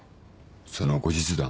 その後日談。